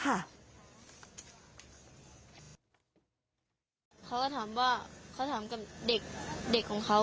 เขาก็ถามว่าเขาถามกับเด็กของเขา